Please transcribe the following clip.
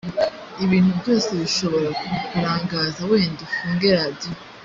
ibintu byose bishobora kukurangaza wenda ufunge radiyo